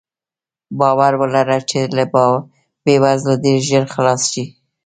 باور ولره چې له بې وزلۍ ډېر ژر خلاص شې.